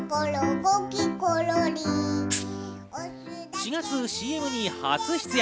４月、ＣＭに初出演。